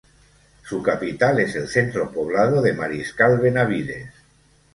Su capital es el centro poblado de Mariscal Benavides.